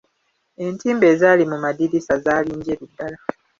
Entimbe ezaali mu madirisa zaali njeru ddala.